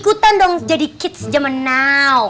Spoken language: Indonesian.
ikutan dong jadi kids jaman now